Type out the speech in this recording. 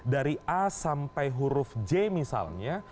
dari a sampai huruf j misalnya